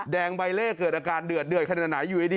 แดงใบเล่เกิดอาการเดือดขนาดไหน